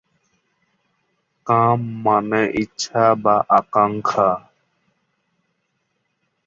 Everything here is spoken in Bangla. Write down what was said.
কাম মানে "ইচ্ছা বা আকাঙ্ক্ষা"।